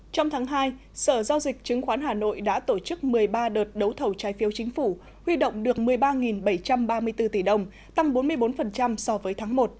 trong tháng hai sở giao dịch chứng khoán hà nội đã tổ chức một mươi ba đợt đấu thầu trái phiếu chính phủ huy động được một mươi ba bảy trăm ba mươi bốn tỷ đồng tăng bốn mươi bốn so với tháng một